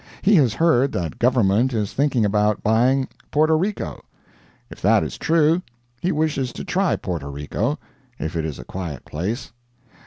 He has heard that government is thinking about buying Porto Rico. If that is true, he wishes to try Porto Rico, if it is a quiet place.